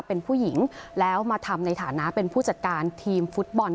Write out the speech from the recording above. เป็นผู้หญิงแล้วมาทำในฐานะเป็นผู้จัดการทีมฟุตบอล